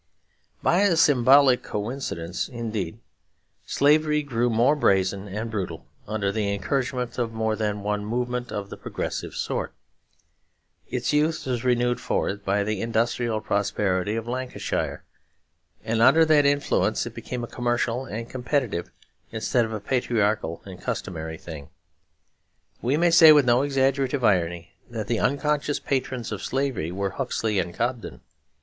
By a symbolic coincidence, indeed, slavery grew more brazen and brutal under the encouragement of more than one movement of the progressive sort. Its youth was renewed for it by the industrial prosperity of Lancashire; and under that influence it became a commercial and competitive instead of a patriarchal and customary thing. We may say with no exaggerative irony that the unconscious patrons of slavery were Huxley and Cobden.